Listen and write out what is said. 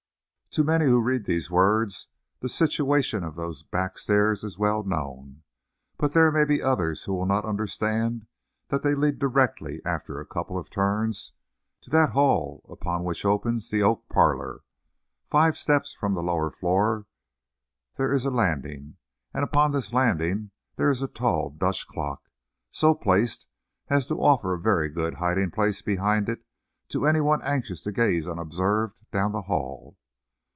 To many who read these words the situation of those back stairs is well known; but there may be others who will not understand that they lead directly, after a couple of turns, to that hall upon which opens the oak parlor. Five steps from the lower floor there is a landing, and upon this landing there is a tall Dutch clock, so placed as to offer a very good hiding place behind it to any one anxious to gaze unobserved down the hall.